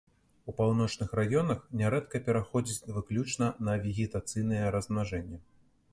У паўночных раёнах нярэдка пераходзіць выключна на вегетацыйнае размнажэнне.